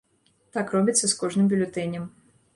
Так робіцца з кожным бюлетэнем.